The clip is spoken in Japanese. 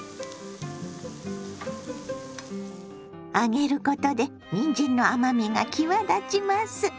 揚げることでにんじんの甘みが際立ちます。